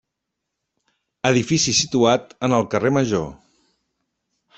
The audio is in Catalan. Edifici situat en el carrer Major.